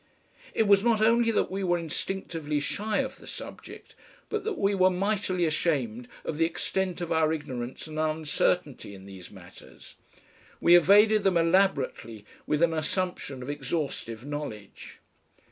It was not only that we were instinctively shy of the subject, but that we were mightily ashamed of the extent of our ignorance and uncertainty in these matters. We evaded them elaborately with an assumption of exhaustive knowledge.